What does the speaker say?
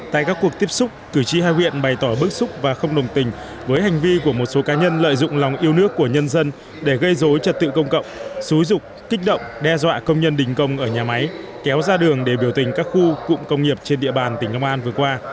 tại các cuộc tiếp xúc cử tri hai huyện bày tỏ bức xúc và không đồng tình với hành vi của một số cá nhân lợi dụng lòng yêu nước của nhân dân để gây dối trật tự công cộng xúi rục kích động đe dọa công nhân đình công ở nhà máy kéo ra đường để biểu tình các khu cụm công nghiệp trên địa bàn tỉnh long an vừa qua